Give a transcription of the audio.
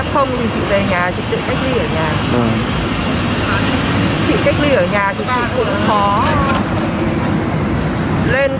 khi bị f thì chị về nhà chị tự cách ly ở nhà